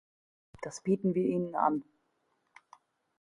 Das bieten wir Ihnen an.